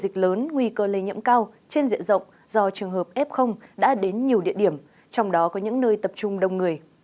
trong ngày trường hợp f đã đến nhiều địa điểm trong đó có những nơi tập trung đông người